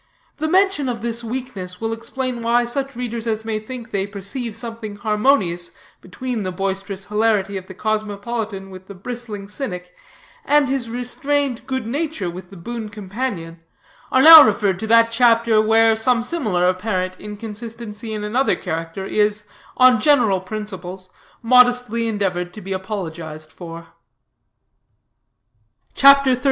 The mention of this weakness will explain why such readers as may think they perceive something harmonious between the boisterous hilarity of the cosmopolitan with the bristling cynic, and his restrained good nature with the boon companion, are now referred to that chapter where some similar apparent inconsistency in another character is, on general principles, modestly endeavored to be apologized for. CHAPTER XXXIV.